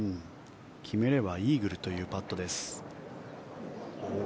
決めればイーグルというパットです。